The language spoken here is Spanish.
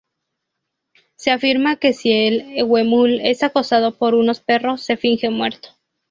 Se afirma que si el huemul es acosado por unos perros, se finge muerto.